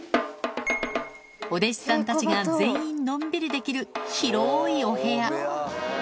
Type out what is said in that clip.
お弟子さんたちが全員のんびりできる広いお部屋。